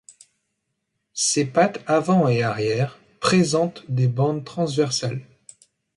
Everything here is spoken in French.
Ses pattes avant et arrière présentent des bandes transversales.